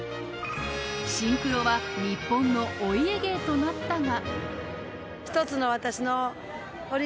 シンクロは日本のお家芸となったが。